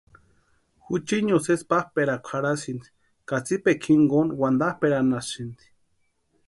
Juchinio sesi pápʼerakwa jarhasïnti ka tsipekwa jonkoni wantapʼeranhasïnti.